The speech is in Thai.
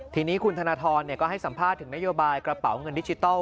ทีนี้คุณธนทรก็ให้สัมภาษณ์ถึงนโยบายกระเป๋าเงินดิจิทัล